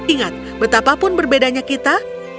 ingat betapapun berbedanya kita